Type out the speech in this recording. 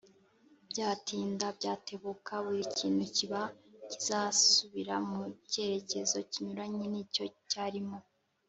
byatinda byatebuka, buri kintu kiba kizasubira mu cyerekezo kinyuranye n’icyo cyarimo.